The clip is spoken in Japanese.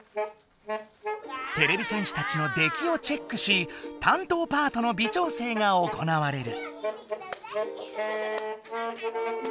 てれび戦士たちの出来をチェックし担当パートのびちょうせいが行われる。